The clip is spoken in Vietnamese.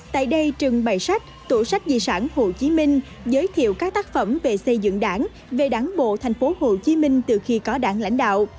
tại đây trưng bày sách tủ sách dị sản hồ chí minh giới thiệu các tác phẩm về xây dựng đảng về đảng bộ tp hcm từ khi có đảng lãnh đạo